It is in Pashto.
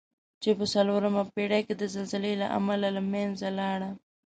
چې په څلورمه پېړۍ کې د زلزلې له امله له منځه لاړه.